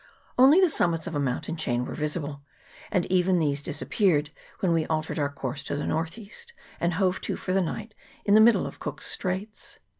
Only the summits of a mountain chain were visible, and even these disappeared when we altered our course to the north east, and hove to for the night in the middle of Cook's Straits.